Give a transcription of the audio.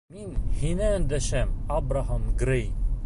— Мин һиңә өндәшәм, Абраһам Грей!